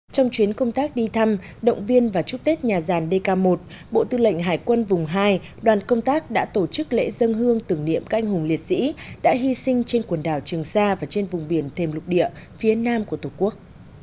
trong chuyến công tác đi thăm động viên và chúc tết nhà dàn dk một bộ tư lệnh hải quân vùng hai đoàn công tác đã tổ chức lễ dân hương tưởng niệm các anh hùng liệt sĩ đã hy sinh trên quần đảo trường sa và trên vùng biển thềm lục địa phía nam của tổ quốc